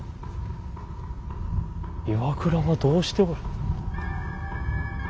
岩倉はどうしておる？